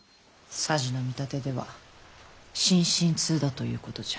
匙の見立てでは真心痛だということじゃ。